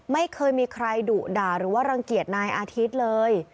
ไม่เคยมีใครดุด่าหรือว่ารังเกียจนายอาทิตย์เลย